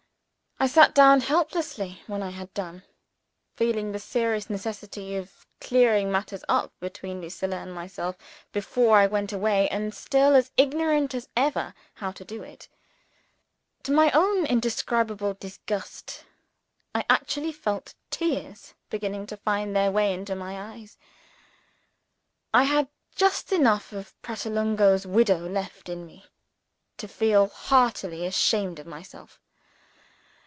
I sat down helplessly, when I had done; feeling the serious necessity of clearing matters up between Lucilla and myself, before I went away, and still as ignorant as ever how to do it. To my own indescribable disgust, I actually felt tears beginning to find their way into my eyes! I had just enough of Pratolungo's widow left in me to feel heartily ashamed of myself.